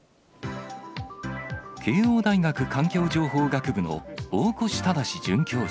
慶応大学環境情報学部の大越匡准教授。